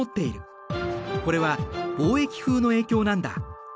これは貿易風の影響なんだ。